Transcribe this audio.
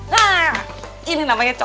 nah ini namanya cocok